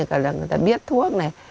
cả lần người ta biết thuốc này